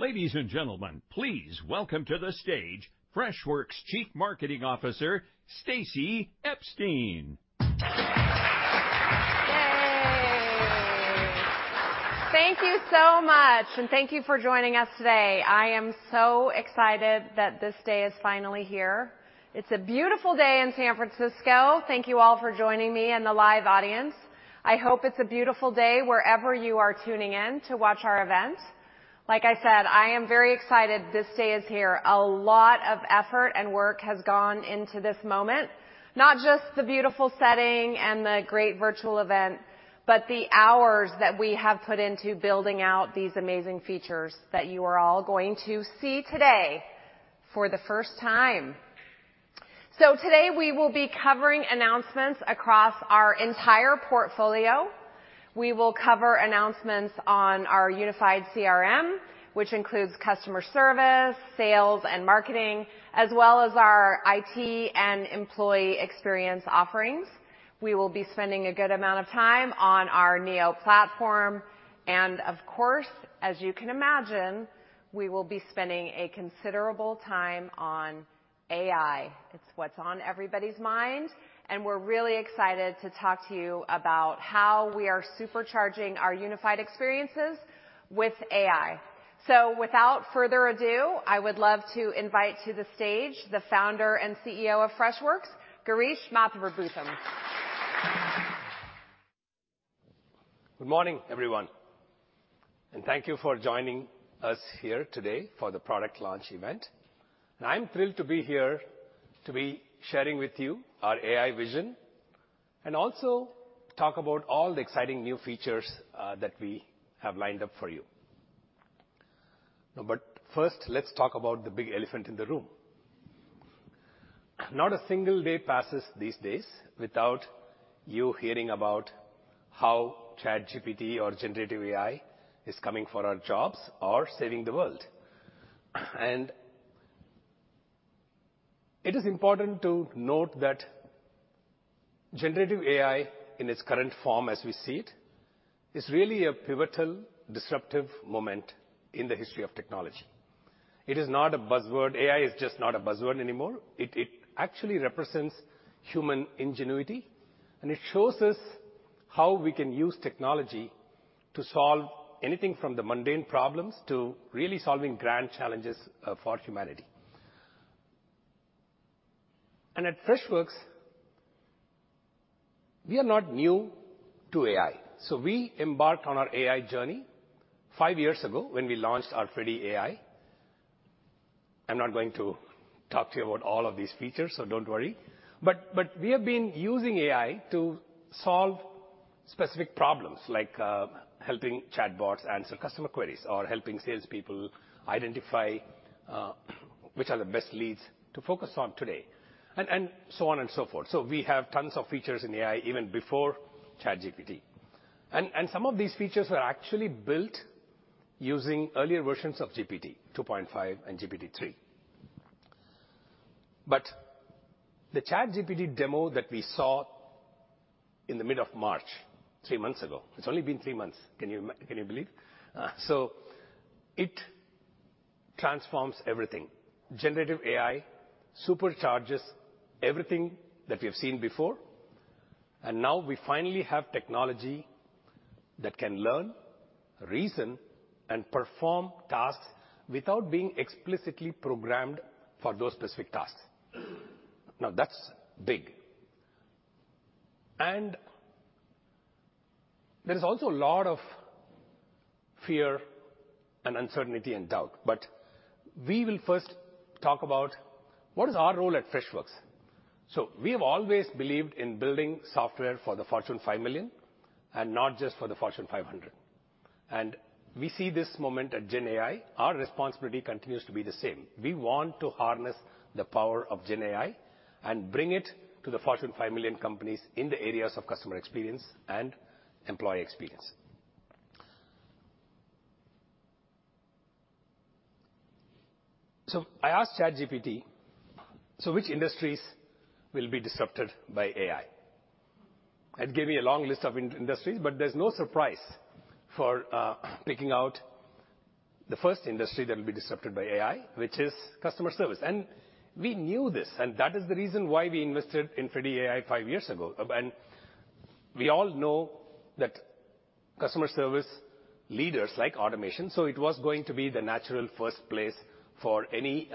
Ladies and gentlemen, please welcome to the stage, Freshworks' Chief Marketing Officer, Stacey Epstein! Yay! Thank you so much, and thank you for joining us today. I am so excited that this day is finally here. It's a beautiful day in San Francisco. Thank you all for joining me in the live audience. I hope it's a beautiful day wherever you are tuning in to watch our event. Like I said, I am very excited this day is here. A lot of effort and work has gone into this moment, not just the beautiful setting and the great virtual event, but the hours that we have put into building out these amazing features that you are all going to see today for the first time. Today, we will be covering announcements across our entire portfolio. We will cover announcements on our unified CRM, which includes customer service, sales, and marketing, as well as our IT and employee experience offerings. We will be spending a good amount of time on our Neo platform. Of course, as you can imagine, we will be spending a considerable time on AI. It's what's on everybody's mind. We're really excited to talk to you about how we are supercharging our unified experiences with AI. Without further ado, I would love to invite to the stage the Founder and CEO of Freshworks, Girish Mathrubootham. Good morning, everyone, and thank you for joining us here today for the product launch event. I'm thrilled to be here to be sharing with you our AI vision, and also talk about all the exciting new features, that we have lined up for you. First, let's talk about the big elephant in the room. Not a single day passes these days without you hearing about how ChatGPT or generative AI is coming for our jobs or saving the world. It is important to note that generative AI, in its current form, as we see it, is really a pivotal, disruptive moment in the history of technology. It is not a buzzword. AI is just not a buzzword anymore. It actually represents human ingenuity, and it shows us how we can use technology to solve anything from the mundane problems to really solving grand challenges for humanity. At Freshworks, we are not new to AI, so we embarked on our AI journey five years ago when we launched our Freddy AI. I'm not going to talk to you about all of these features, don't worry. But we have been using AI to solve specific problems, like helping chatbots answer customer queries or helping salespeople identify which are the best leads to focus on today, and so on and so forth. We have tons of features in AI even before ChatGPT. Some of these features were actually built using earlier versions of GPT 2.5 and GPT-3. The ChatGPT demo that we saw in the mid of March, three months ago. It's only been three months. Can you believe? It transforms everything. Generative AI supercharges everything that we have seen before, and now we finally have technology that can learn, reason, and perform tasks without being explicitly programmed for those specific tasks. That's big. There is also a lot of fear and uncertainty and doubt. We will first talk about what is our role at Freshworks. We have always believed in building software for the Fortune 5 Million and not just for the Fortune 500. We see this moment at GenAI, our responsibility continues to be the same. We want to harness the power of GenAI and bring it to the Fortune 5 Million companies in the areas of customer experience and employee experience. I asked ChatGPT: So which industries will be disrupted by AI? It gave me a long list of industries, but there's no surprise for picking out the first industry that will be disrupted by AI, which is customer service. We knew this, and that is the reason why we invested in Freddy AI five years ago. We all know that customer service leaders like automation, so it was going to be the natural first place for any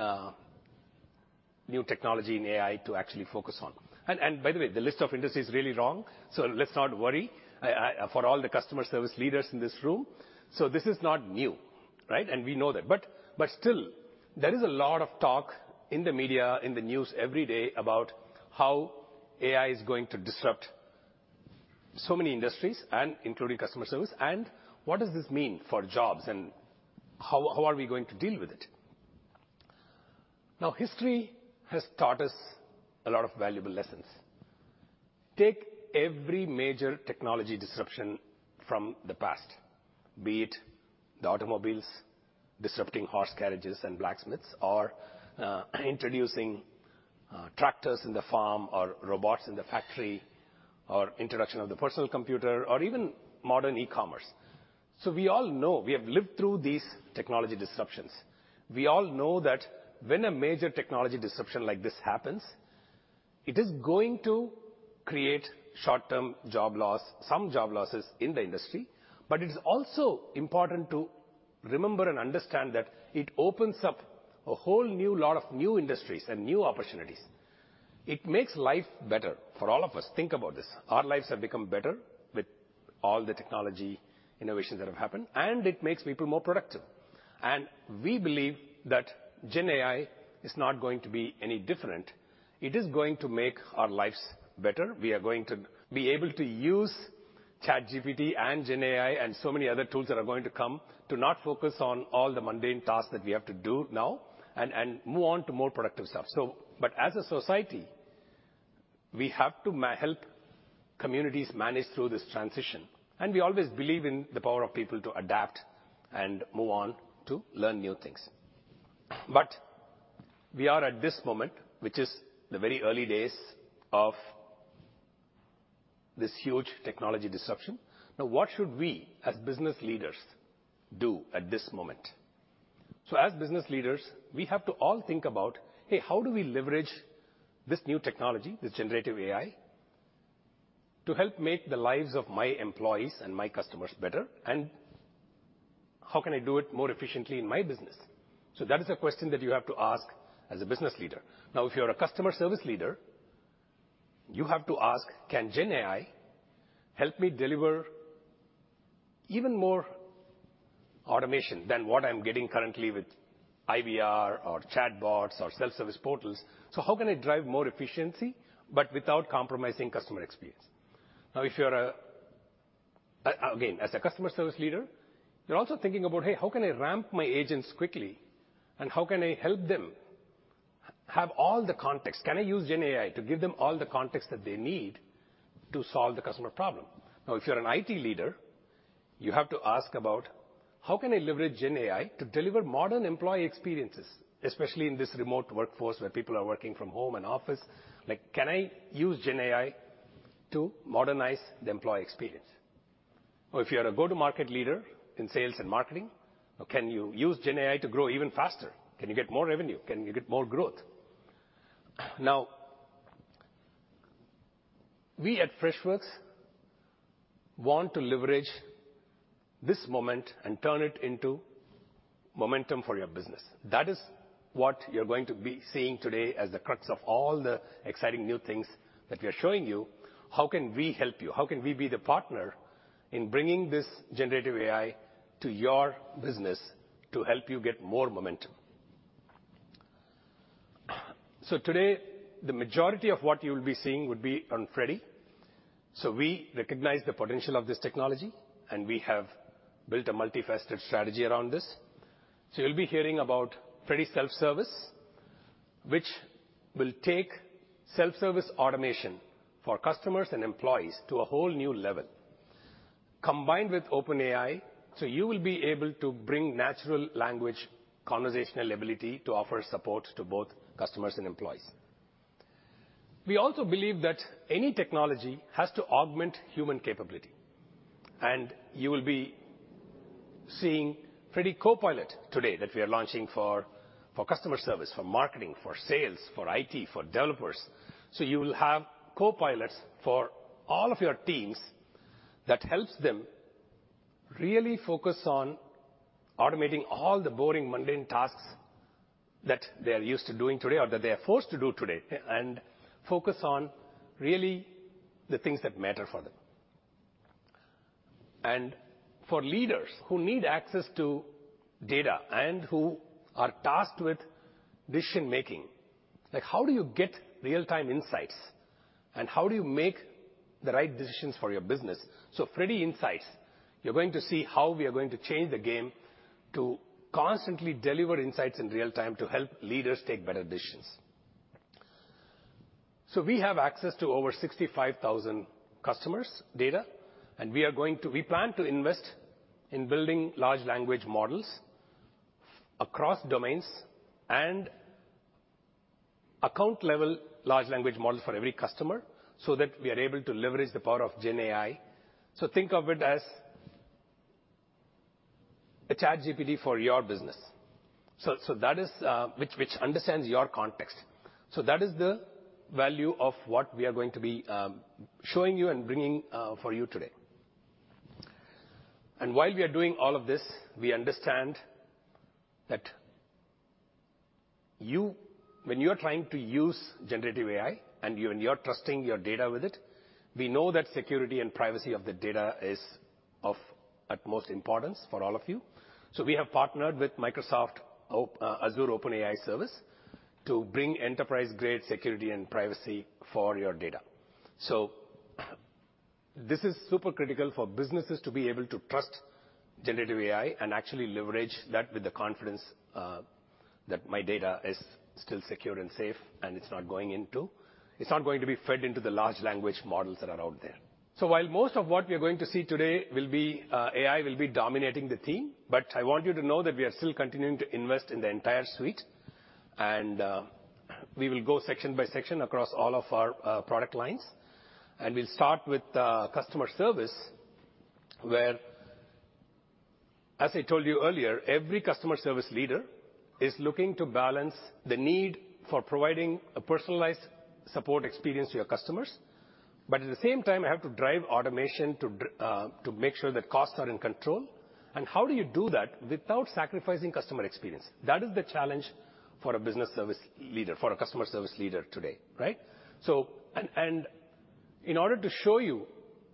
new technology in AI to actually focus on. By the way, the list of industries is really long, so let's not worry. For all the customer service leaders in this room. This is not new, right? We know that. Still, there is a lot of talk in the media, in the news every day, about how AI is going to disrupt so many industries and including customer service, and what does this mean for jobs, and how are we going to deal with it. Now, history has taught us a lot of valuable lessons. Take every major technology disruption from the past, be it the automobiles disrupting horse carriages and blacksmiths, or introducing tractors in the farm, or robots in the factory, or introduction of the personal computer, or even modern e-commerce. We all know, we have lived through these technology disruptions. We all know that when a major technology disruption like this happens, it is going to create short-term job loss, some job losses in the industry. It is also important to remember and understand that it opens up a whole new lot of new industries and new opportunities. It makes life better for all of us. Think about this. Our lives have become better with all the technology innovations that have happened, and it makes people more productive. We believe that GenAI is not going to be any different. It is going to make our lives better. We are going to be able to use ChatGPT, and GenAI, and so many other tools that are going to come, to not focus on all the mundane tasks that we have to do now, and move on to more productive stuff. As a society, we have to help communities manage through this transition, and we always believe in the power of people to adapt and move on to learn new things. We are at this moment, which is the very early days of this huge technology disruption. What should we, as business leaders, do at this moment? As business leaders, we have to all think about, "Hey, how do we leverage this new technology, this generative AI, to help make the lives of my employees and my customers better? How can I do it more efficiently in my business?" That is a question that you have to ask as a business leader. If you're a customer service leader, you have to ask: Can GenAI help me deliver even more automation than what I'm getting currently with IVR, or chatbots, or self-service portals? How can I drive more efficiency, but without compromising customer experience? If you're a... Again, as a customer service leader, you're also thinking about: Hey, how can I ramp my agents quickly, and how can I help them have all the context? Can I use GenAI to give them all the context that they need to solve the customer problem? If you're an IT leader, you have to ask about: How can I leverage GenAI to deliver modern employee experiences, especially in this remote workforce where people are working from home and office? Like, can I use GenAI to modernize the employee experience? If you're a go-to-market leader in sales and marketing, can you use GenAI to grow even faster? Can you get more revenue? Can you get more growth? We at Freshworks want to leverage this moment and turn it into momentum for your business. That is what you're going to be seeing today as the crux of all the exciting new things that we are showing you. How can we help you? How can we be the partner in bringing this generative AI to your business to help you get more momentum? Today, the majority of what you'll be seeing would be on Freddy. We recognize the potential of this technology, and we have built a multifaceted strategy around this. You'll be hearing about Freddy Self-Service, which will take self-service automation for customers and employees to a whole new level. Combined with OpenAI, so you will be able to bring natural language conversational ability to offer support to both customers and employees. We also believe that any technology has to augment human capability, and you will be seeing Freddy Copilot today, that we are launching for customer service, for marketing, for sales, for IT, for developers. You will have copilots for all of your teams that helps them really focus on automating all the boring, mundane tasks that they are used to doing today or that they are forced to do today, and focus on really the things that matter for them. For leaders who need access to data and who are tasked with decision-making, like, how do you get real-time insights, and how do you make the right decisions for your business? Freddy Insights, you're going to see how we are going to change the game to constantly deliver insights in real time to help leaders make better decisions. We have access to over 65,000 customers' data, we plan to invest in building large language models across domains and account-level large language models for every customer, so that we are able to leverage the power of GenAI. Think of it as a ChatGPT for your business. That is which understands your context. That is the value of what we are going to be showing you and bringing for you today. While we are doing all of this, we understand that when you are trying to use generative AI and you are trusting your data with it, we know that security and privacy of the data is of utmost importance for all of you. We have partnered with Microsoft, Azure OpenAI Service, to bring enterprise-grade security and privacy for your data. This is super critical for businesses to be able to trust generative AI and actually leverage that with the confidence that my data is still secure and safe, and it's not going to be fed into the large language models that are out there. While most of what we are going to see today will be AI will be dominating the theme, but I want you to know that we are still continuing to invest in the entire suite. We will go section by section across all of our product lines. We'll start with customer service, where, as I told you earlier, every customer service leader is looking to balance the need for providing a personalized support experience to your customers, but at the same time, I have to drive automation to make sure that costs are in control. How do you do that without sacrificing customer experience? That is the challenge for a business service leader, for a customer service leader today, right? In order to show you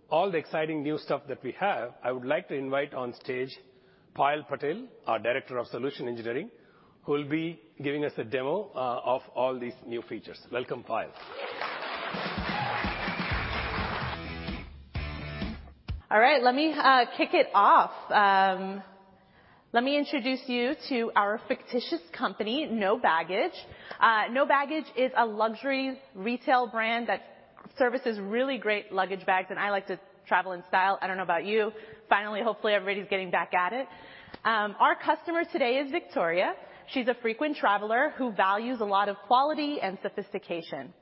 all the exciting new stuff that we have, I would like to invite on stage Payal Patel, our Director of Solution Engineering, who will be giving us a demo of all these new features. Welcome, Payal. All right, let me kick it off. Let me introduce you to our fictitious company, No Baggage. No Baggage is a luxury retail brand that services really great luggage bags, and I like to travel in style. I don't know about you. Finally, hopefully, everybody's getting back at it. Our customer today is Victoria. She's a frequent traveler who values a lot of quality and sophistication.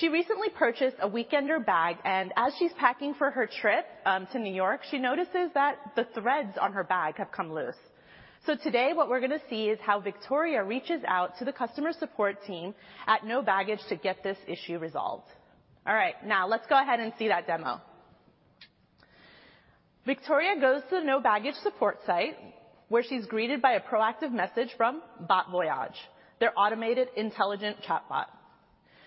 She recently purchased a weekender bag, and as she's packing for her trip to New York, she notices that the threads on her bag have come loose. Today, what we're gonna see is how Victoria reaches out to the customer support team at No Baggage to get this issue resolved. All right, now, let's go ahead and see that demo. Victoria goes to the No Baggage support site, where she's greeted by a proactive message from Bot Voyage, their automated intelligent chatbot.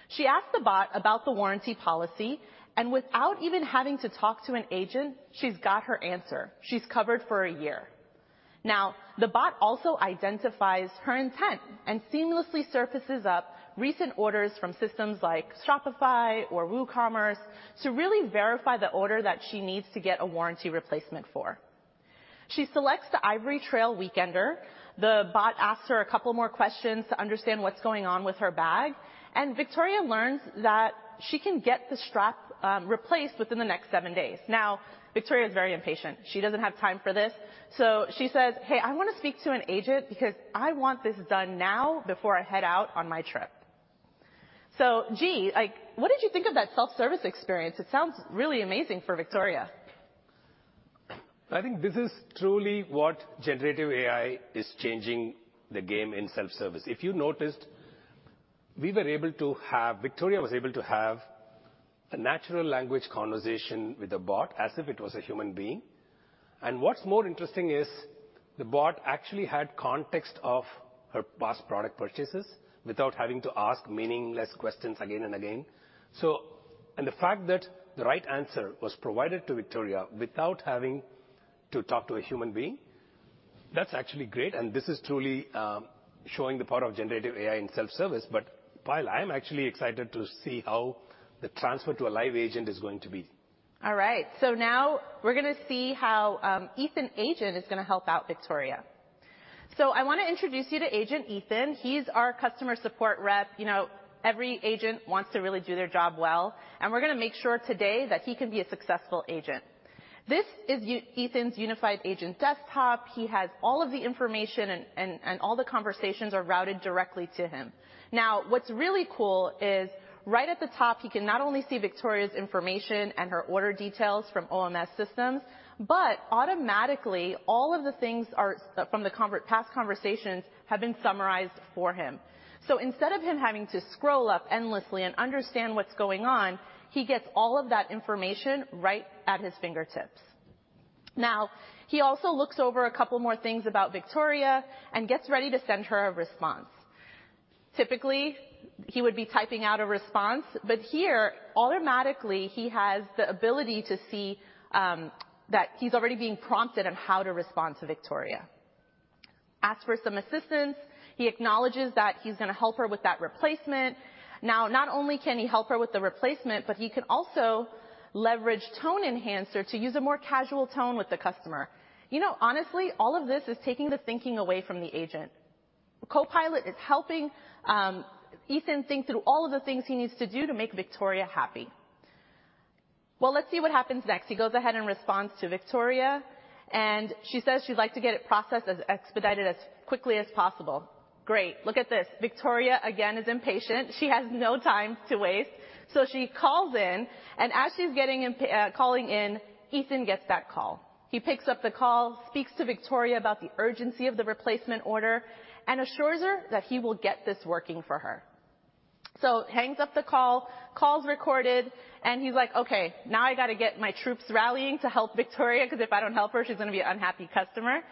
She asked the bot about the warranty policy, and without even having to talk to an agent, she's got her answer. She's covered for a year. The bot also identifies her intent and seamlessly surfaces up recent orders from systems like Shopify or WooCommerce to really verify the order that she needs to get a warranty replacement for. She selects the Ivory Trail Weekender. The bot asks her a couple more questions to understand what's going on with her bag, and Victoria learns that she can get the strap replaced within the next seven days. Victoria is very impatient. She doesn't have time for this, so she says, "Hey, I want to speak to an agent because I want this done now before I head out on my trip." G, like, what did you think of that self-service experience? It sounds really amazing for Victoria. I think this is truly what generative AI is changing the game in self-service. If you noticed, Victoria was able to have a natural language conversation with a bot as if it was a human being. What's more interesting is the bot actually had context of her past product purchases without having to ask meaningless questions again and again. The fact that the right answer was provided to Victoria without having to talk to a human being, that's actually great, and this is truly showing the power of generative AI in self-service. Payal, I'm actually excited to see how the transfer to a live agent is going to be. Now we're going to see how Ethan agent is going to help out Victoria. I want to introduce you to Agent Ethan. He's our customer support rep. You know, every agent wants to really do their job well, and we're going to make sure today that he can be a successful agent. This is Ethan's unified agent desktop. He has all of the information and all the conversations are routed directly to him. What's really cool is right at the top, he can not only see Victoria's information and her order details from OMS systems, automatically, all of the things are from the past conversations have been summarized for him. Instead of him having to scroll up endlessly and understand what's going on, he gets all of that information right at his fingertips. He also looks over a couple more things about Victoria and gets ready to send her a response. Typically, he would be typing out a response, here, automatically, he has the ability to see that he's already being prompted on how to respond to Victoria. Asks for some assistance. He acknowledges that he's gonna help her with that replacement. Not only can he help her with the replacement, he can also leverage tone enhancer to use a more casual tone with the customer. You know, honestly, all of this is taking the thinking away from the agent. Copilot is helping Ethan think through all of the things he needs to do to make Victoria happy. Well, let's see what happens next. He goes ahead and responds to Victoria, she says she'd like to get it processed as expedited as quickly as possible. Great. Look at this. Victoria, again, is impatient. She has no time to waste. As she's calling in, Ethan gets that call. He picks up the call, speaks to Victoria about the urgency of the replacement order, and assures her that he will get this working for her. Hangs up the call's recorded, and he's like, "Okay, now I got to get my troops rallying to help Victoria, 'cause if I don't help her, she's gonna be an unhappy customer."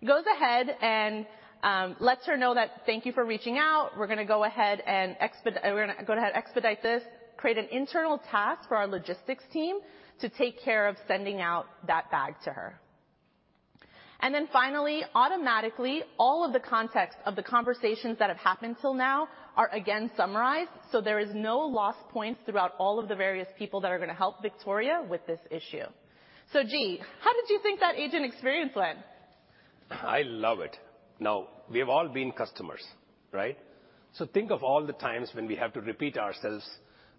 He goes ahead and lets her know that, "Thank you for reaching out. We're gonna go ahead and. We're gonna go ahead and expedite this, create an internal task for our logistics team to take care of sending out that bag to her." Automatically, all of the context of the conversations that have happened till now are again summarized, so there is no lost points throughout all of the various people that are gonna help Victoria with this issue. G, how did you think that agent experience went? I love it! Now, we have all been customers, right? Think of all the times when we have to repeat ourselves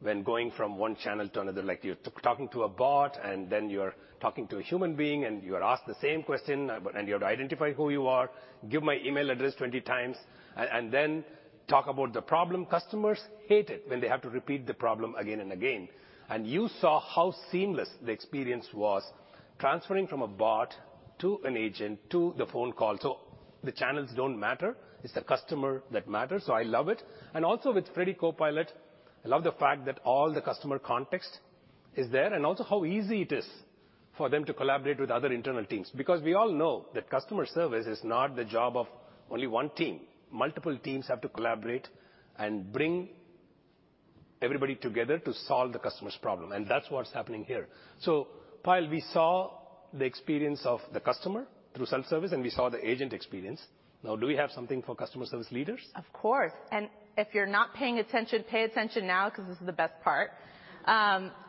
when going from one channel to another. You're talking to a bot, and then you're talking to a human being, and you are asked the same question, and you have to identify who you are, give my email address 20x, and then talk about the problem. Customers hate it when they have to repeat the problem again and again. You saw how seamless the experience was, transferring from a bot to an agent, to the phone call. The channels don't matter, it's the customer that matters. I love it. Also with Freddy Copilot, I love the fact that all the customer context is there, and also how easy it is for them to collaborate with other internal teams. We all know that customer service is not the job of only one team. Multiple teams have to collaborate and bring everybody together to solve the customer's problem, and that's what's happening here. While we saw the experience of the customer through self-service, and we saw the agent experience, now do we have something for customer service leaders? Of course, if you're not paying attention, pay attention now, 'cause this is the best part.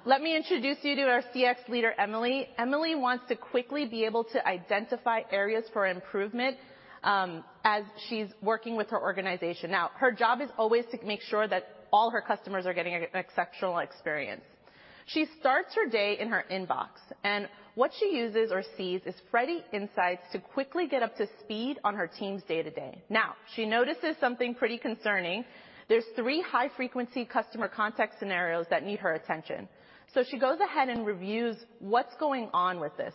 Let me introduce you to our CX leader, Emily. Emily wants to quickly be able to identify areas for improvement as she's working with her organization. Her job is always to make sure that all her customers are getting an exceptional experience. She starts her day in her inbox, and what she uses or sees is Freddy Insights to quickly get up to speed on her team's day-to-day. She notices something pretty concerning. There's 3 high-frequency customer contact scenarios that need her attention. She goes ahead and reviews what's going on with this.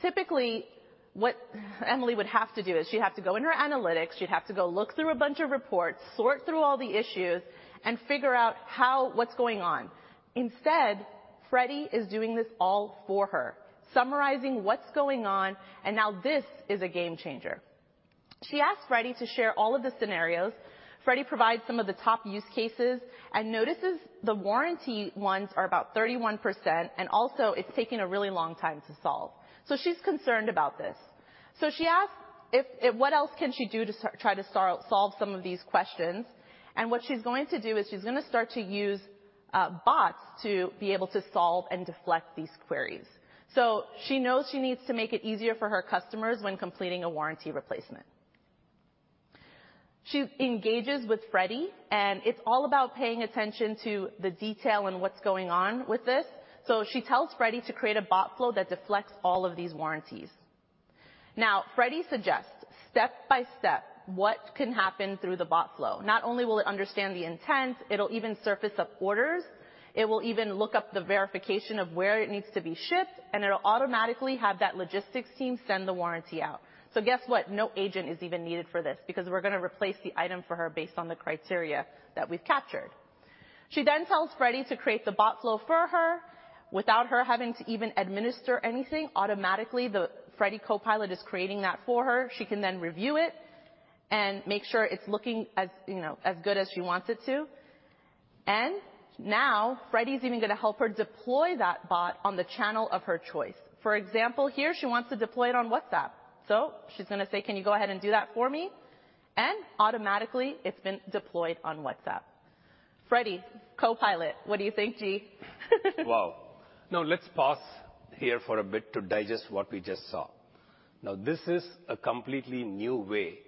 Typically, what Emily would have to do is, she'd have to go in her analytics, she'd have to go look through a bunch of reports, sort through all the issues, and figure out how, what's going on. Instead, Freddy is doing this all for her, summarizing what's going on, and now this is a game changer. She asks Freddy to share all of the scenarios. Freddy provides some of the top use cases and notices the warranty ones are about 31%, and also, it's taking a really long time to solve. She's concerned about this. She asks if what else can she do to try to solve some of these questions? What she's going to do is, she's gonna start to use bots to be able to solve and deflect these queries. She knows she needs to make it easier for her customers when completing a warranty replacement. She engages with Freddy, and it's all about paying attention to the detail and what's going on with this. She tells Freddy to create a bot flow that deflects all of these warranties. Freddy suggests step by step what can happen through the bot flow. Not only will it understand the intent, it'll even surface up orders. It will even look up the verification of where it needs to be shipped, and it'll automatically have that logistics team send the warranty out. Guess what? No agent is even needed for this, because we're gonna replace the item for her based on the criteria that we've captured. She tells Freddy to create the bot flow for her. Without her having to even administer anything, automatically, the Freddy Copilot is creating that for her. She can then review it and make sure it's looking as, you know, as good as she wants it to. Now, Freddy's even gonna help her deploy that bot on the channel of her choice. For example, here, she wants to deploy it on WhatsApp. She's gonna say, "Can you go ahead and do that for me?" Automatically, it's been deployed on WhatsApp. Freddy Copilot, what do you think, G? Wow! Let's pause here for a bit to digest what we just saw. This is a completely new way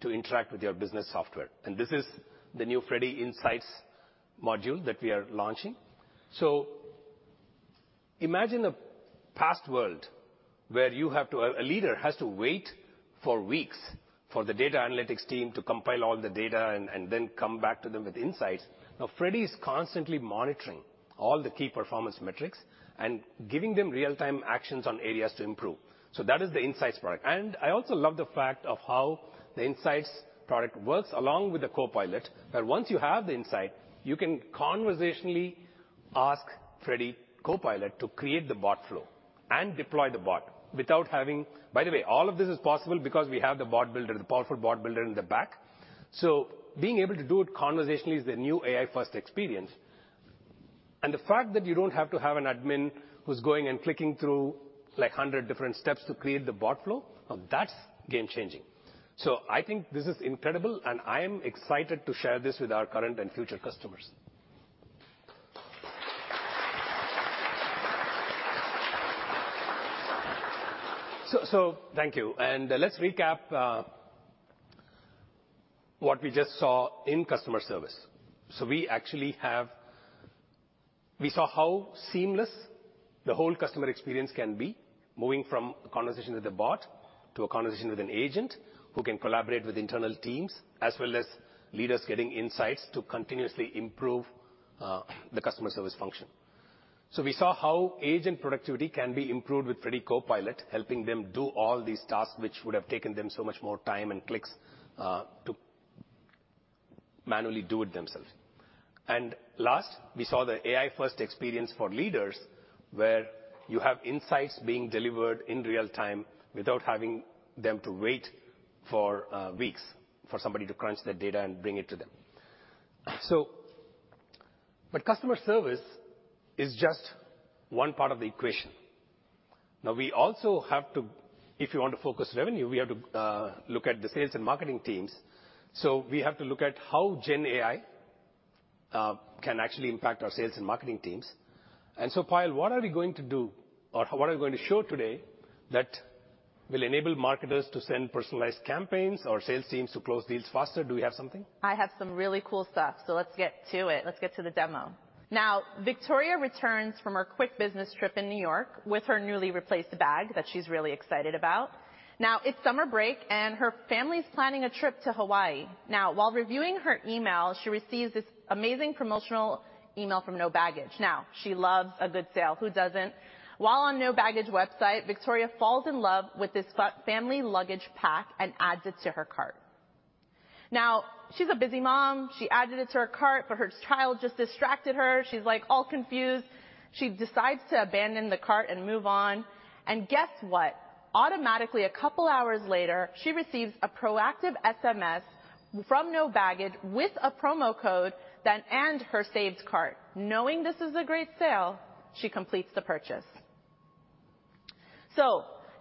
to interact with your business software, and this is the new Freddy Insights module that we are launching. Imagine a past world where a leader has to wait for weeks for the data analytics team to compile all the data and then come back to them with insights. Freddy is constantly monitoring all the key performance metrics and giving them real-time actions on areas to improve. That is the Insights product. I also love the fact of how the Insights product works along with the Copilot, where once you have the insight, you can conversationally ask Freddy Copilot to create the bot flow and deploy the bot without having, by the way, all of this is possible because we have the bot builder, the powerful bot builder in the back. Being able to do it conversationally is the new AI-first experience. The fact that you don't have to have an admin who's going and clicking through, like, 100 different steps to create the bot flow, now, that's game-changing. I think this is incredible, and I am excited to share this with our current and future customers. Thank you. Let's recap what we just saw in customer service. We actually saw how seamless the whole customer experience can be, moving from a conversation with a bot to a conversation with an agent, who can collaborate with internal teams, as well as leaders getting insights to continuously improve the customer service function. We saw how agent productivity can be improved with Freddy Copilot, helping them do all these tasks, which would have taken them so much more time and clicks to manually do it themselves. Last, we saw the AI-first experience for leaders, where you have insights being delivered in real time without having them to wait for weeks for somebody to crunch the data and bring it to them. Customer service is just one part of the equation. Now, if you want to focus revenue, we have to look at the sales and marketing teams. We have to look at how GenAI can actually impact our sales and marketing teams. Payal, what are we going to do, or what are we going to show today that will enable marketers to send personalized campaigns or sales teams to close deals faster? Do we have something? I have some really cool stuff, so let's get to it. Let's get to the demo. Victoria returns from her quick business trip in New York with her newly replaced bag that she's really excited about. It's summer break, and her family's planning a trip to Hawaii. While reviewing her email, she receives this amazing promotional email from No Baggage. She loves a good sale. Who doesn't? While on No Baggage website, Victoria falls in love with this family luggage pack and adds it to her cart. She's a busy mom. She added it to her cart, but her child just distracted her. She's, like, all confused. She decides to abandon the cart and move on. Guess what? Automatically, a couple hours later, she receives a proactive SMS from No Baggage with a promo code and her saved cart. Knowing this is a great sale, she completes the purchase.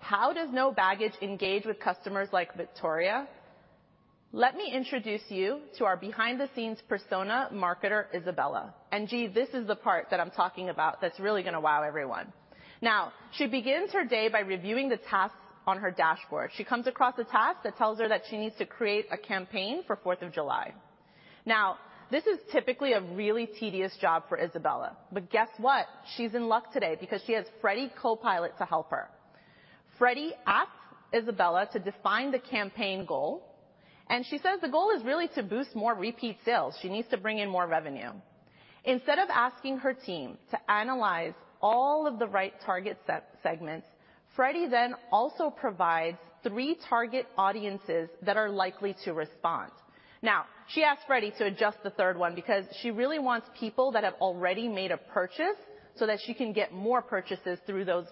How does No Baggage engage with customers like Victoria? Let me introduce you to our behind-the-scenes persona marketer, Isabella. G, this is the part that I'm talking about that's really gonna wow everyone. She begins her day by reviewing the tasks on her dashboard. She comes across a task that tells her that she needs to create a campaign for Fourth of July. This is typically a really tedious job for Isabella, but guess what? She's in luck today because she has Freddy Copilot to help her. Freddy asks Isabella to define the campaign goal, she says the goal is really to boost more repeat sales. She needs to bring in more revenue. Instead of asking her team to analyze all of the right target segments, Freddy also provides three target audiences that are likely to respond. She asks Freddy to adjust the third one because she really wants people that have already made a purchase, so that she can get more purchases through those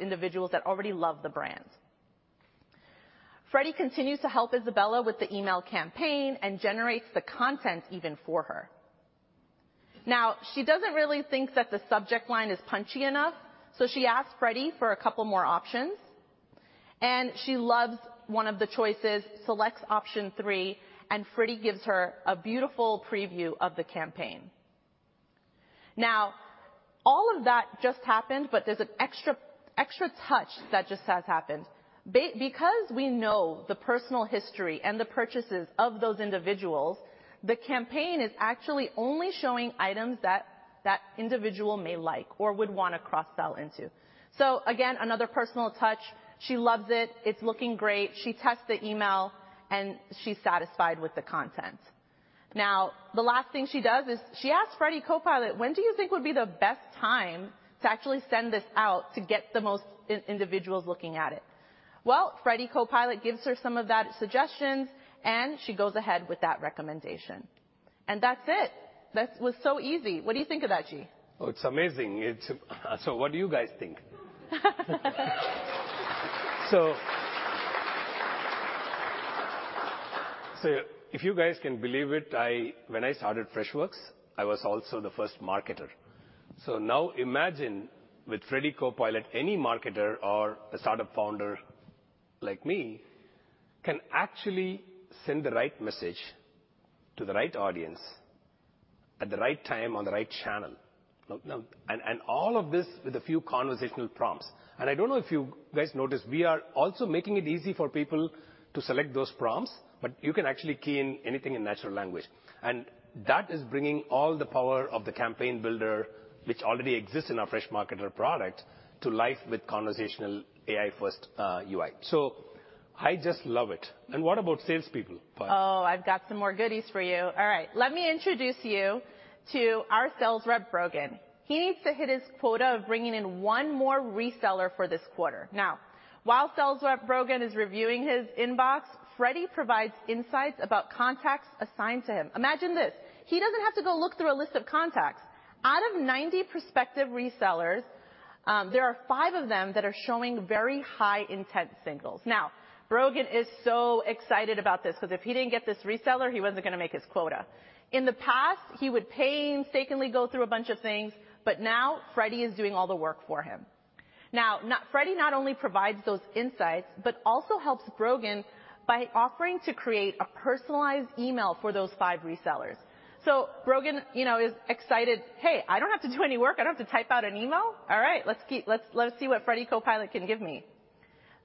individuals that already love the brand. Freddy continues to help Isabella with the email campaign and generates the content even for her. She doesn't really think that the subject line is punchy enough, so she asks Freddy for a couple more options, and she loves one of the choices, selects option three, and Freddy gives her a beautiful preview of the campaign. All of that just happened, there's an extra touch that just has happened. Because we know the personal history and the purchases of those individuals, the campaign is actually only showing items that individual may like or would wanna cross-sell into. Again, another personal touch. She loves it. It's looking great. She tests the email, and she's satisfied with the content. The last thing she does is she asks Freddy Copilot, "When do you think would be the best time to actually send this out to get the most individuals looking at it?" Freddy Copilot gives her some of that suggestions, and she goes ahead with that recommendation. That's it. That's was so easy. What do you think of that, G? Oh, it's amazing. What do you guys think? If you guys can believe it, when I started Freshworks, I was also the first marketer. Now imagine with Freddy Copilot, any marketer or a startup founder, like me, can actually send the right message to the right audience at the right time on the right channel. Now, all of this with a few conversational prompts. I don't know if you guys noticed, we are also making it easy for people to select those prompts, but you can actually key in anything in natural language, and that is bringing all the power of the campaign builder, which already exists in our Freshmarketer product, to life with conversational AI-first UI. I just love it. What about salespeople, Payal? I've got some more goodies for you. Let me introduce you to our sales rep, Brogan. He needs to hit his quota of bringing in one more reseller for this quarter. While sales rep Brogan is reviewing his inbox, Freddy provides insights about contacts assigned to him. Imagine this, he doesn't have to go look through a list of contacts. Out of 90 prospective resellers, there are five of them that are showing very high intent signals. Brogan is so excited about this, 'cause if he didn't get this reseller, he wasn't gonna make his quota. In the past, he would painstakingly go through a bunch of things, but now Freddy is doing all the work for him. Freddy not only provides those insights, but also helps Brogan by offering to create a personalized email for those five resellers. Brogan, you know, is excited, "Hey, I don't have to do any work. I don't have to type out an email? All right, let's see what Freddy Copilot can give me."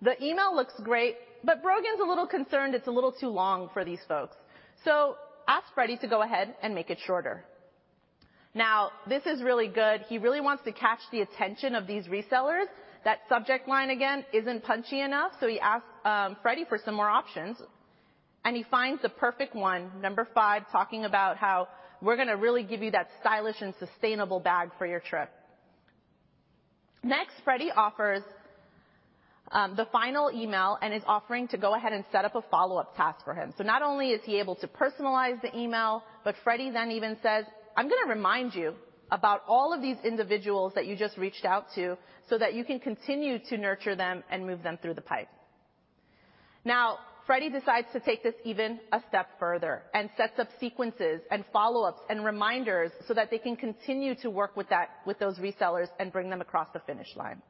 The email looks great, but Brogan's a little concerned it's a little too long for these folks. Asks Freddy to go ahead and make it shorter. Now, this is really good. He really wants to catch the attention of these resellers. That subject line, again, isn't punchy enough, he asks Freddy for some more options, and he finds the perfect one, number five, talking about how we're gonna really give you that stylish and sustainable bag for your trip. Next, Freddy offers the final email and is offering to go ahead and set up a follow-up task for him. Not only is he able to personalize the email, but Freddy then even says, "I'm gonna remind you about all of these individuals that you just reached out to, so that you can continue to nurture them and move them through the pipe." Now, Freddy decides to take this even a step further and sets up sequences and follow-ups and reminders so that they can continue to work with those resellers and bring them across the finish line.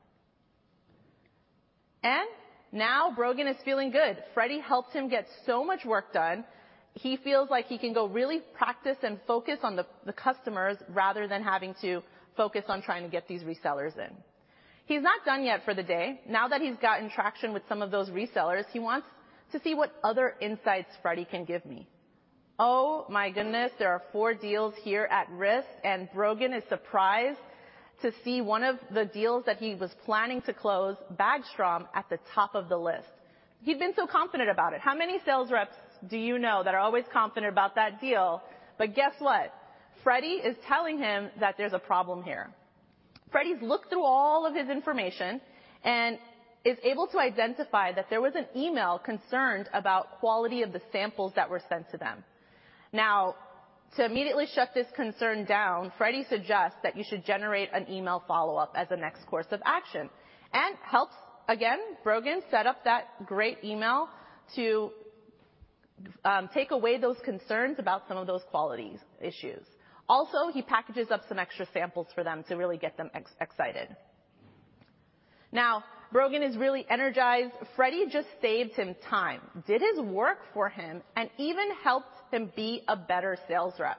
Now Brogan is feeling good. Freddy helped him get so much work done, he feels like he can go really practice and focus on the customers, rather than having to focus on trying to get these resellers in. He's not done yet for the day. Now that he's gotten traction with some of those resellers, he wants to see what other insights Freddy can give me. Oh my goodness, there are four deals here at risk, Brogan is surprised to see one of the deals that he was planning to close, Bagstrom, at the top of the list. He'd been so confident about it. How many sales reps do you know that are always confident about that deal? Guess what? Freddy is telling him that there's a problem here. Freddy's looked through all of his information and is able to identify that there was an email concerned about quality of the samples that were sent to them. To immediately shut this concern down, Freddy suggests that you should generate an email follow-up as a next course of action, and helps, again, Brogan set up that great email to take away those concerns about some of those qualities issues. He packages up some extra samples for them to really get them excited. Brogan is really energized. Freddy just saved him time, did his work for him, and even helped him be a better sales rep.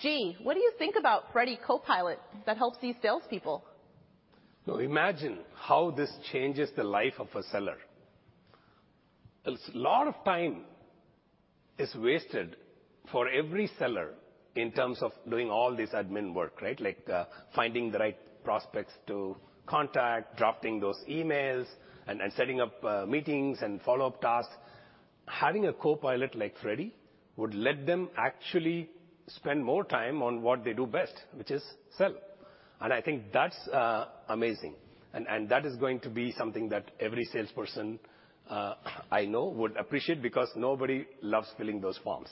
G, what do you think about Freddy Copilot that helps these salespeople? Well, imagine how this changes the life of a seller. A lot of time is wasted for every seller in terms of doing all this admin work, right? Like, finding the right prospects to contact, drafting those emails, and setting up meetings and follow-up tasks. Having a copilot like Freddy Copilot would let them actually spend more time on what they do best, which is sell. I think that's amazing, and that is going to be something that every salesperson I know would appreciate, because nobody loves filling those forms.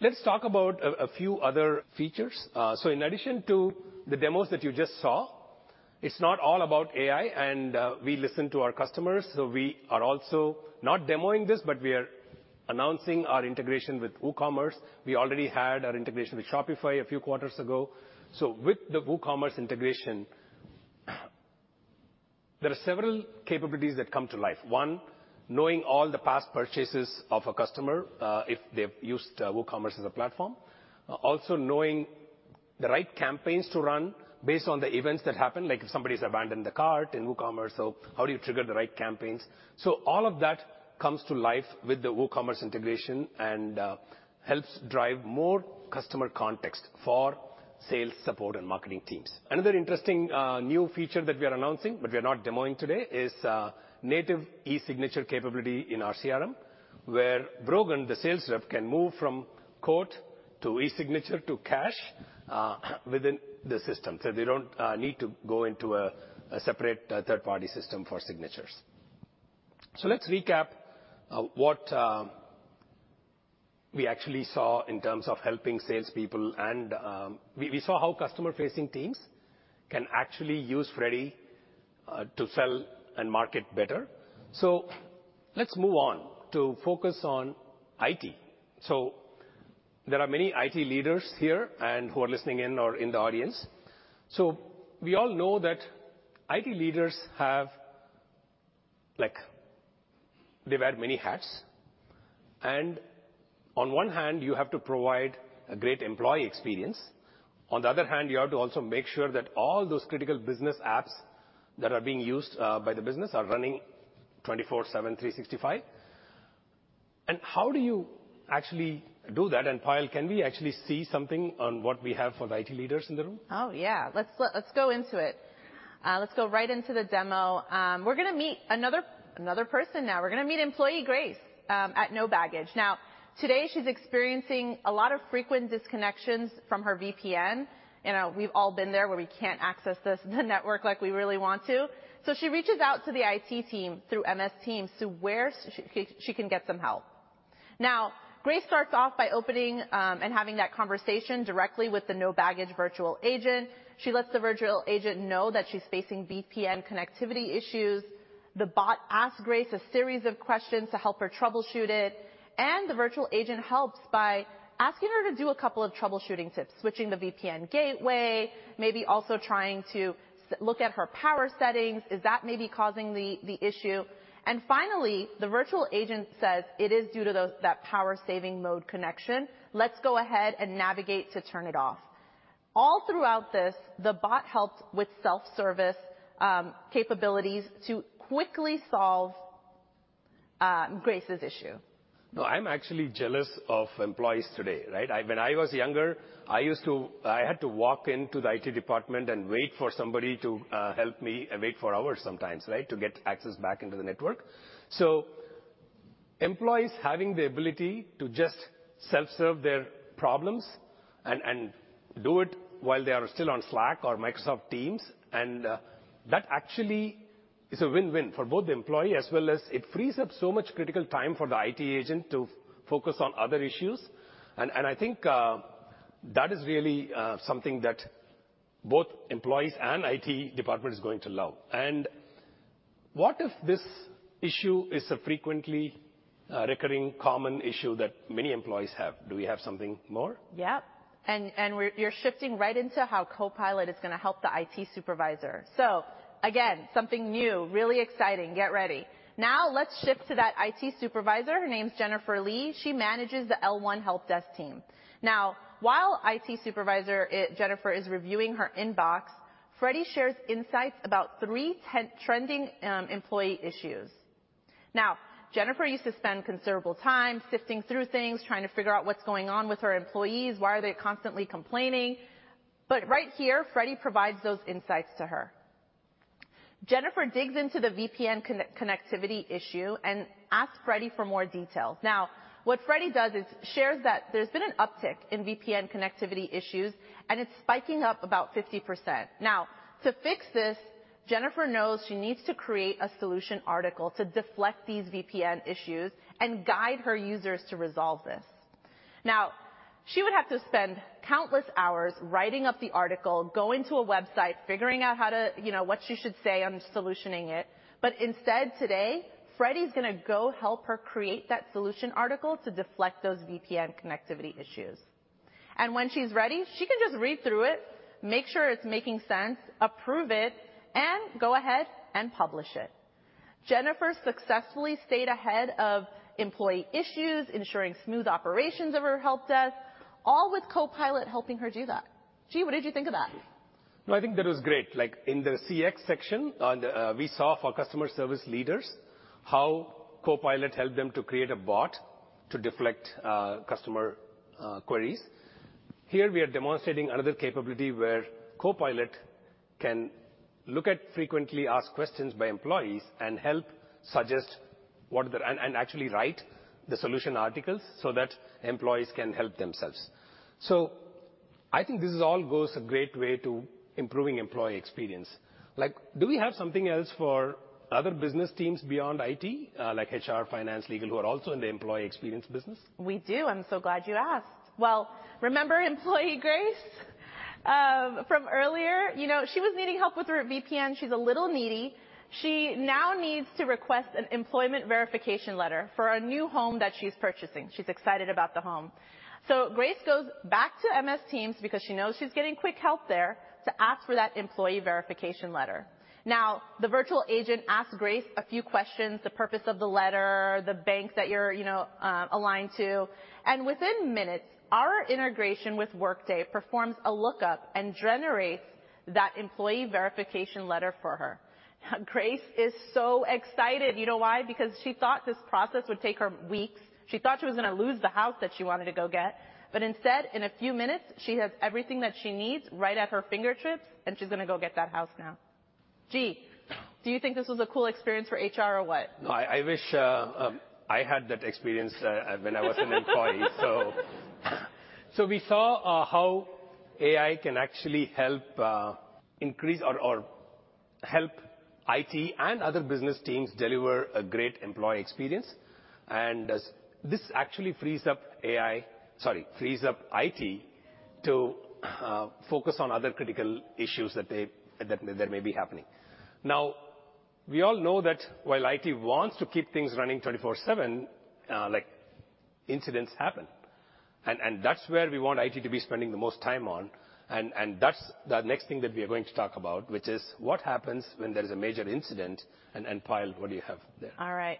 Let's talk about a few other features. In addition to the demos that you just saw, it's not all about AI, and we listen to our customers, so we are also not demoing this, but we are announcing our integration with WooCommerce. We already had our integration with Shopify a few quarters ago. With the WooCommerce integration, there are several capabilities that come to life. One, knowing all the past purchases of a customer, if they've used WooCommerce as a platform. Also, knowing the right campaigns to run based on the events that happened, like if somebody's abandoned the cart in WooCommerce, how do you trigger the right campaigns? All of that comes to life with the WooCommerce integration and helps drive more customer context for sales, support, and marketing teams. Another interesting new feature that we are announcing, but we are not demoing today, is native e-signature capability in our CRM, where Brogan, the sales rep, can move from quote to e-signature to cash within the system. They don't need to go into a separate third-party system for signatures. Let's recap what we actually saw in terms of helping salespeople and. We saw how customer-facing teams can actually use Freddy to sell and market better. Let's move on to focus on IT. There are many IT leaders here and who are listening in or in the audience. We all know that IT leaders have, like, they wear many hats. On one hand, you have to provide a great employee experience. On the other hand, you have to also make sure that all those critical business apps that are being used by the business are running 24/7, 365. How do you actually do that? Payal, can we actually see something on what we have for the IT leaders in the room? Oh, yeah. Let's go into it. Let's go right into the demo. We're gonna meet another person now. We're gonna meet employee Grace at No Baggage. Today, she's experiencing a lot of frequent disconnections from her VPN. You know, we've all been there, where we can't access the network like we really want to. She reaches out to the IT team through Microsoft Teams to where she can get some help. Grace starts off by opening and having that conversation directly with the No Baggage virtual agent. She lets the virtual agent know that she's facing VPN connectivity issues. The bot asks Grace a series of questions to help her troubleshoot it, the virtual agent helps by asking her to do a couple of troubleshooting tips, switching the VPN gateway, maybe also trying to look at her power settings, is that maybe causing the issue? Finally, the virtual agent says it is due to that power saving mode connection. Let's go ahead and navigate to turn it off. All throughout this, the bot helped with self-service capabilities to quickly solve Grace's issue. I'm actually jealous of employees today, right? When I was younger, I used to. I had to walk into the IT department and wait for somebody to help me, and wait for hours sometimes, right? To get access back into the network. Employees having the ability to just self-serve their problems and do it while they are still on Slack or Microsoft Teams, that actually is a win-win for both the employee, as well as it frees up so much critical time for the IT agent to focus on other issues. I think that is really something that both employees and IT department is going to love. What if this issue is a frequently recurring common issue that many employees have? Do we have something more? Yep, you're shifting right into how Copilot is going to help the IT Supervisor. Again, something new, really exciting. Get ready. Let's shift to that IT Supervisor. Her name is Jennifer Lee. She manages the L1 help desk team. While IT Supervisor Jennifer is reviewing her inbox, Freddy shares insights about three trending employee issues. Jennifer used to spend considerable time sifting through things, trying to figure out what's going on with her employees, why are they constantly complaining. Right here, Freddy provides those insights to her. Jennifer digs into the VPN connectivity issue and asks Freddy for more details. What Freddy does is shares that there's been an uptick in VPN connectivity issues, and it's spiking up about 50%. To fix this, Jennifer knows she needs to create a solution article to deflect these VPN issues and guide her users to resolve this. She would have to spend countless hours writing up the article, going to a website, figuring out how to, you know, what she should say on solutioning it. Instead, today, Freddy's going to go help her create that solution article to deflect those VPN connectivity issues. When she's ready, she can just read through it, make sure it's making sense, approve it, and go ahead and publish it. Jennifer successfully stayed ahead of employee issues, ensuring smooth operations of her help desk, all with Copilot helping her do that. G, what did you think of that? I think that was great. Like, in the CX section on the, we saw for customer service leaders, how Copilot helped them to create a bot to deflect, customer, queries. Here, we are demonstrating another capability where Copilot can look at frequently asked questions by employees and help suggest And actually write the solution articles so that employees can help themselves. I think this is all goes a great way to improving employee experience. Like, do we have something else for other business teams beyond IT, like HR, finance, legal, who are also in the employee experience business? We do. I'm so glad you asked. Well, remember employee Grace from earlier? You know, she was needing help with her VPN. She's a little needy. She now needs to request an employment verification letter for a new home that she's purchasing. She's excited about the home. Grace goes back to Microsoft Teams because she knows she's getting quick help there to ask for that employee verification letter. Now, the virtual agent asks Grace a few questions, the purpose of the letter, the bank that you're, you know, aligned to. Within minutes, our integration with Workday performs a lookup and generates that employee verification letter for her. Grace is so excited. You know why? Because she thought this process would take her weeks. She thought she was going to lose the house that she wanted to go get. Instead, in a few minutes, she has everything that she needs right at her fingertips, and she's going to go get that house now. G, do you think this was a cool experience for HR or what? I wish I had that experience when I was an employee. We saw how AI can actually help increase or help IT and other business teams deliver a great employee experience. As this actually frees up IT to focus on other critical issues that may be happening. We all know that while IT wants to keep things running 24/7, like, incidents happen, and that's where we want IT to be spending the most time on. That's the next thing that we are going to talk about, which is what happens when there is a major incident, and, Payal, what do you have there? All right.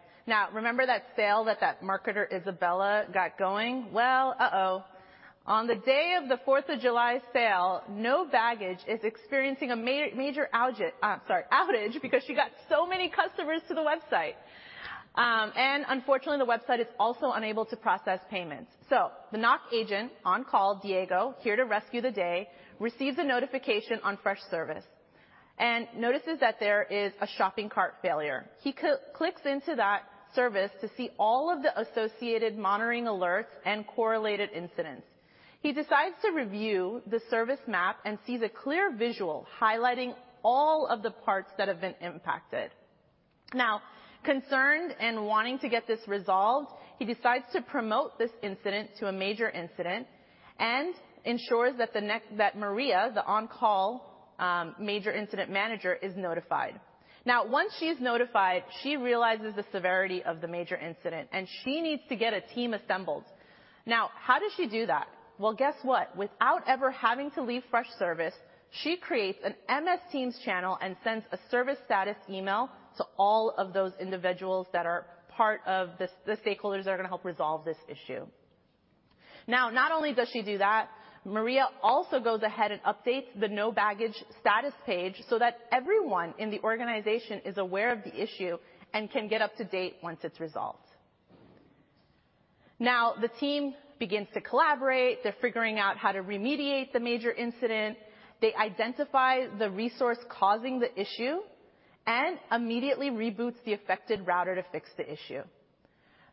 Remember that sale that marketer, Isabella, got going? Well, uh-oh. On the day of the 4th of July sale, No Baggage is experiencing a major outage because she got so many customers to the website. Unfortunately, the website is also unable to process payments. The NOC agent, on call, Diego, here to rescue the day, receives a notification on Freshservice and notices that there is a shopping cart failure. He clicks into that service to see all of the associated monitoring alerts and correlated incidents. He decides to review the service map and sees a clear visual highlighting all of the parts that have been impacted. Concerned and wanting to get this resolved, he decides to promote this incident to a major incident and ensures that the next Maria, the on-call major incident manager, is notified. Once she's notified, she realizes the severity of the major incident, and she needs to get a team assembled. How does she do that? Well, guess what? Without ever having to leave Freshservice, she creates an MS Teams channel and sends a service status email to all of those individuals that are part of the stakeholders that are going to help resolve this issue. Not only does she do that, Maria also goes ahead and updates the No Baggage status page so that everyone in the organization is aware of the issue and can get up to date once it's resolved. The team begins to collaborate. They're figuring out how to remediate the major incident. They identify the resource causing the issue and immediately reboots the affected router to fix the issue.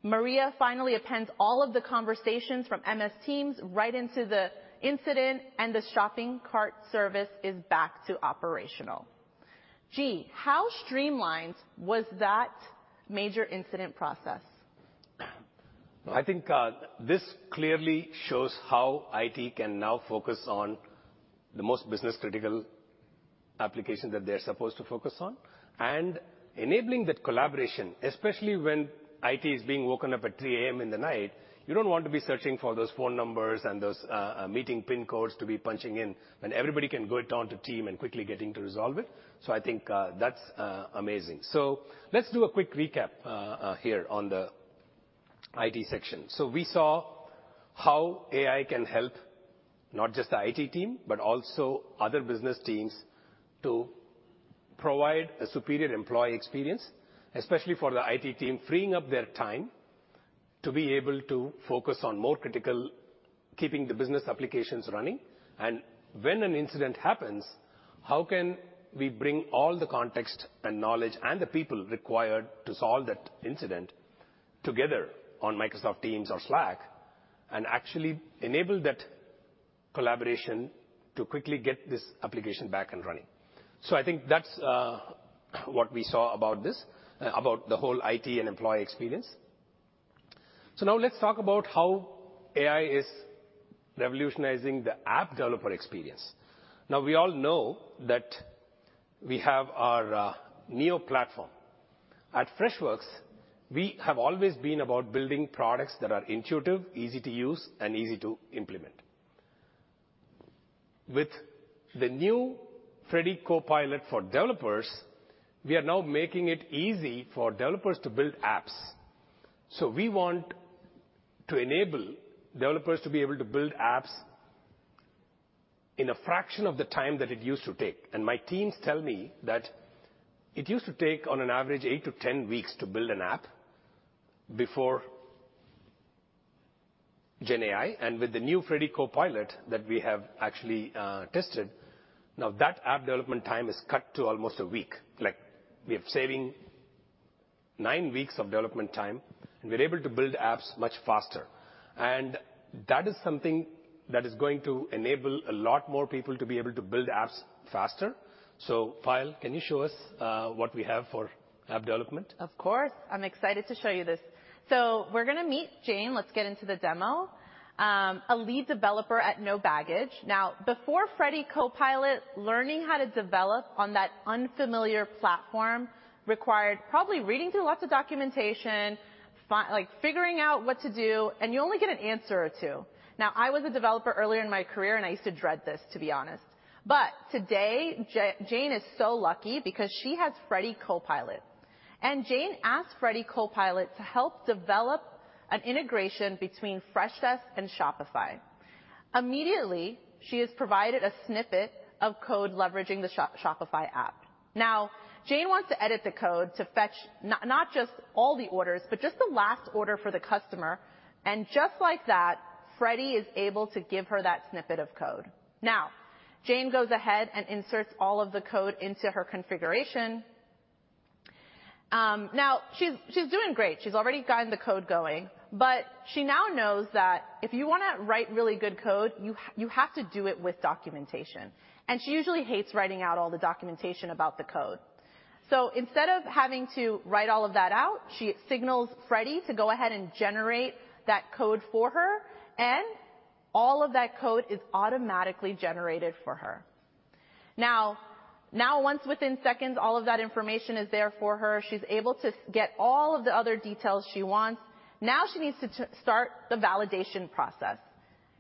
Maria finally appends all of the conversations from MS Teams right into the incident. The shopping cart service is back to operational. G, how streamlined was that major incident process? I think, this clearly shows how IT can now focus on the most business-critical applications that they're supposed to focus on. Enabling that collaboration, especially when IT is being woken up at 3:00 A.M. in the night, you don't want to be searching for those phone numbers and those, meeting pin codes to be punching in, when everybody can go down to Microsoft Teams and quickly getting to resolve it. I think, that's amazing. Let's do a quick recap, here on the IT section. We saw how AI can help not just the IT team, but also other business teams to provide a superior employee experience, especially for the IT team, freeing up their time to be able to focus on more critical, keeping the business applications running. When an incident happens, how can we bring all the context and knowledge and the people required to solve that incident together on Microsoft Teams or Slack, and actually enable that collaboration to quickly get this application back and running? I think that's what we saw about this, about the whole IT and employee experience. Now let's talk about how AI is revolutionizing the app developer experience. We all know that we have our Neo platform. At Freshworks, we have always been about building products that are intuitive, easy to use, and easy to implement. With the new Freddy Copilot for Developers, we are now making it easy for developers to build apps. We want to enable developers to be able to build apps in a fraction of the time that it used to take. My teams tell me that it used to take, on an average, 8-10 weeks to build an app before GenAI. With the new Freddy Copilot that we have actually tested, now that app development time is cut to almost a week. Like, we are saving nine weeks of development time, and we're able to build apps much faster. That is something that is going to enable a lot more people to be able to build apps faster. Payal, can you show us what we have for app development? Of course. I'm excited to show you this. We're gonna meet Jane. Let's get into the demo. A lead developer at No Baggage. Before Freddy Copilot, learning how to develop on that unfamiliar platform required probably reading through lots of documentation, like, figuring out what to do, and you only get an answer or two. I was a developer earlier in my career, and I used to dread this, to be honest. Today, Jane is so lucky because she has Freddy Copilot. Jane asked Freddy Copilot to help develop an integration between Freshdesk and Shopify. Immediately, she is provided a snippet of code leveraging the Shopify app. Jane wants to edit the code to fetch not just all the orders, but just the last order for the customer. Just like that, Freddy is able to give her that snippet of code. Now, Jane goes ahead and inserts all of the code into her configuration. Now, she's doing great. She's already gotten the code going, but she now knows that if you wanna write really good code, you have to do it with documentation. She usually hates writing out all the documentation about the code. Instead of having to write all of that out, she signals Freddy to go ahead and generate that code for her, and all of that code is automatically generated for her. Now, once within seconds, all of that information is there for her. She's able to get all of the other details she wants. Now she needs to start the validation process.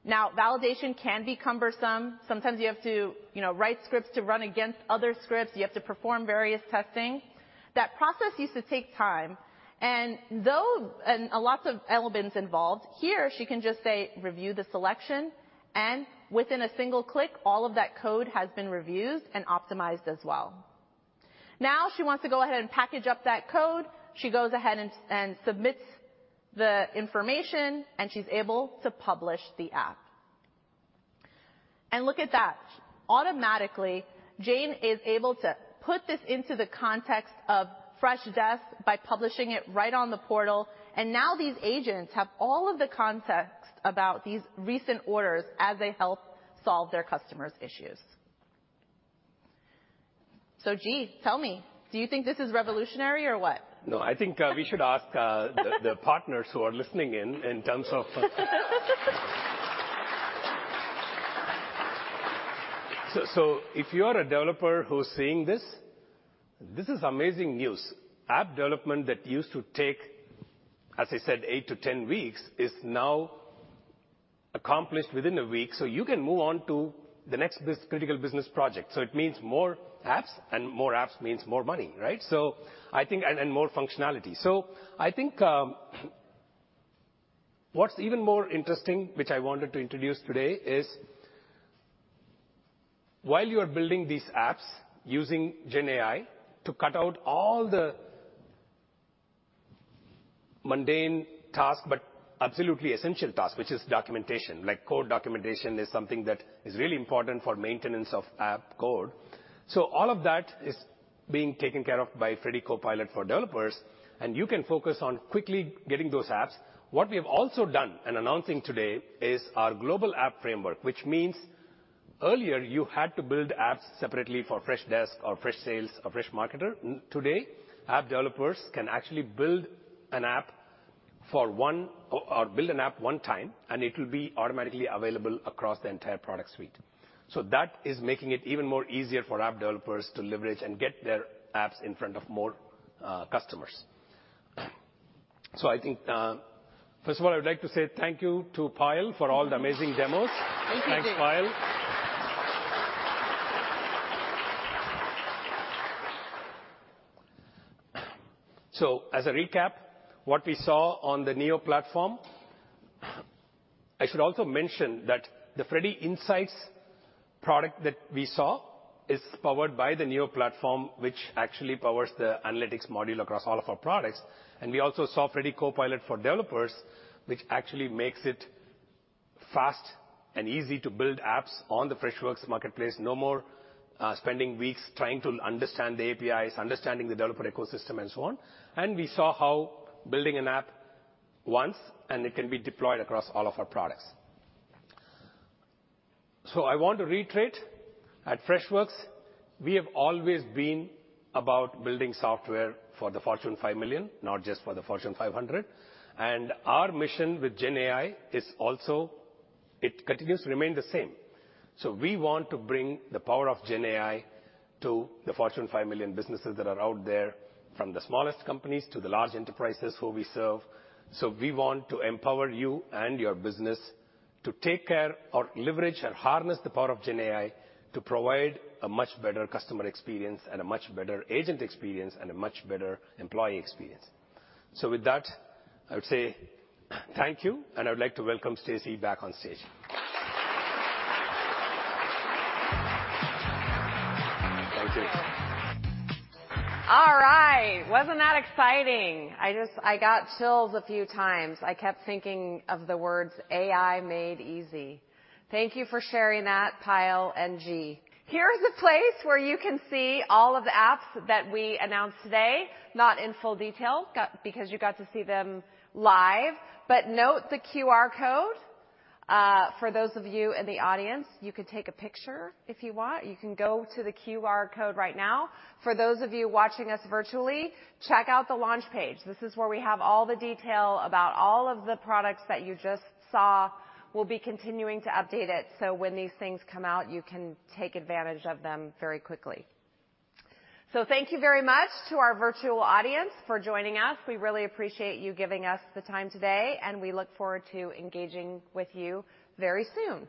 Now, validation can be cumbersome. Sometimes you have to, you know, write scripts to run against other scripts. You have to perform various testing. That process used to take time, and lots of elements involved. Here, she can just say, "Review the selection," and within a single click, all of that code has been reviewed and optimized as well. Now she wants to go ahead and package up that code. She goes ahead and submits the information, and she's able to publish the app. Look at that. Automatically, Jane is able to put this into the context of Freshdesk by publishing it right on the portal. Now these agents have all of the context about these recent orders as they help solve their customers' issues. G, tell me, do you think this is revolutionary or what? I think, we should ask, the partners who are listening in. If you are a developer who's seeing this is amazing news. App development that used to take, as I said, 8 to 10 weeks, is now accomplished within a week, so you can move on to the next critical business project. It means more apps, and more apps means more money, right? I think. More functionality. I think, what's even more interesting, which I wanted to introduce today, is while you are building these apps using GenAI to cut out all the mundane tasks but absolutely essential tasks, which is documentation, like code documentation is something that is really important for maintenance of app code. All of that is being taken care of by Freddy Copilot for Developers, and you can focus on quickly getting those apps. What we have also done in announcing today is our global app framework, which means earlier, you had to build apps separately for Freshdesk or Freshsales or Freshmarketer. Today, app developers can actually build an app for one or build an app one time, and it will be automatically available across the entire product suite. That is making it even more easier for app developers to leverage and get their apps in front of more customers. I think, first of all, I would like to say thank you to Payal for all the amazing demos. Thank you, G. Thanks, Payal. As a recap, what we saw on the Neo platform, I should also mention that the Freddy Insights product that we saw is powered by the Neo platform, which actually powers the analytics module across all of our products. We also saw Freddy Copilot for Developers, which actually makes it fast and easy to build apps on the Freshworks Marketplace. No more spending weeks trying to understand the APIs, understanding the developer ecosystem, and so on. We saw how building an app once, and it can be deployed across all of our products. I want to reiterate, at Freshworks, we have always been about building software for the Fortune 5 Million, not just for the Fortune 500. Our mission with GenAI continues to remain the same. We want to bring the power of GenAI to the Fortune 5 Million Businesses that are out there, from the smallest companies to the large enterprises who we serve. We want to empower you and your business to take care or leverage and harness the power of GenAI to provide a much better customer experience, and a much better agent experience, and a much better employee experience. With that, I would say thank you, and I would like to welcome Stacey back on stage. Thank you. All right. Wasn't that exciting? I just I got chills a few times. I kept thinking of the words, AI made easy. Thank you for sharing that, Payal and G. Here's a place where you can see all of the apps that we announced today. Not in full detail, got, because you got to see them live, but note the QR code. For those of you in the audience, you can take a picture if you want. You can go to the QR code right now. For those of you watching us virtually, check out the launch page. This is where we have all the detail about all of the products that you just saw. We'll be continuing to update it, so when these things come out, you can take advantage of them very quickly. Thank you very much to our virtual audience for joining us. We really appreciate you giving us the time today, and we look forward to engaging with you very soon.